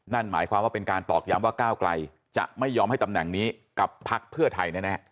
นั่นหมายความว่าเป็นการตอกย้ำว่าก้าวไกลจะไม่ยอมให้ตำแหน่งนี้กับพักเพื่อไทยแน่